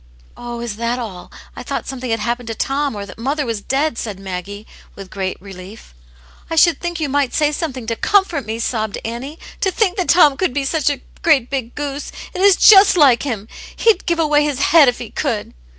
" Oh, is that all ? I thought something had hap pened to Tom, or that mother was dead," said Maggie, with great relief. " I should think you might say something to com fort me I" sobbed Annie. *^ To think that Tom could be such a great big goose I It is just like him! He'd give away his head if he could."